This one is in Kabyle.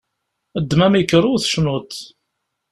Ddem amikru, tecnuḍ.